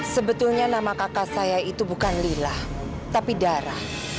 sebetulnya nama kakak saya itu bukan lila tapi darah